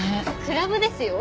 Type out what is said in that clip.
クラブですよ？